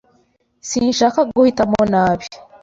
Sinshaka guhitamo nabi.